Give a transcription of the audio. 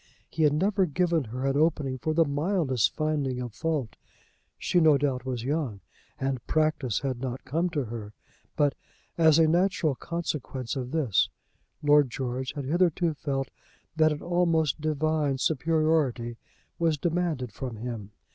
He had never given her an opening for the mildest finding of fault. She, no doubt, was young, and practise had not come to her. But, as a natural consequence of this, Lord George had hitherto felt that an almost divine superiority was demanded from him.